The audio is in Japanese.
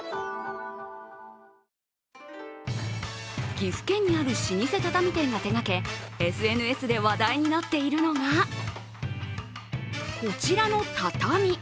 岐阜県にある老舗畳店が手がけＳＮＳで話題になっているのがこちらの畳。